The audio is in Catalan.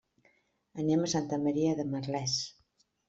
Anem a Santa Maria de Merlès.